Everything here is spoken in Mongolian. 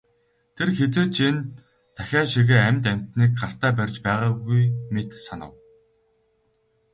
Тэр хэзээ ч энэ тахиа шигээ амьд амьтныг гартаа барьж байгаагүй мэт санав.